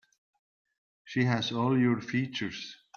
She has all your features.